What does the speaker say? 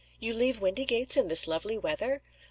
"You leave Windygates, in this lovely weather?"